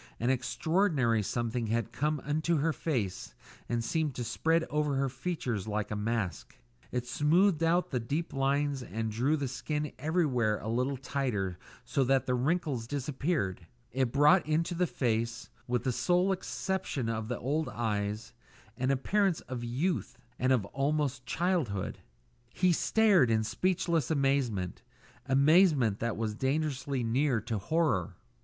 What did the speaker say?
An extraordinary something had come into her face and seemed to spread over her features like a mask; it smoothed out the deep lines and drew the skin everywhere a little tighter so that the wrinkles disappeared; it brought into the face with the sole exception of the old eyes an appearance of youth and almost of childhood. He stared in speechless amazement amazement that was dangerously near to horror.